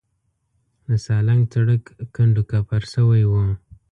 د سالنګ سړک کنډو کپر شوی و.